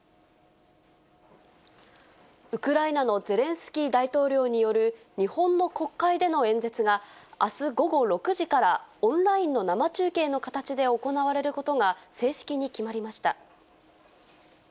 ウクライナのゼレンスキー大統領による、日本の国会での演説が、あす午後６時から、オンラインの生中継の形で行われることが、正式に決まりました。